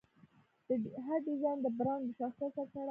هر ډیزاین د برانډ له شخصیت سره تړاو لري.